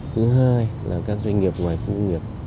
thứ hai là các doanh nghiệp ngoài khu công nghiệp